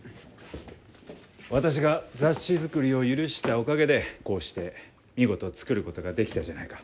私が雑誌作りを許したおかげでこうして見事作ることができたじゃないか。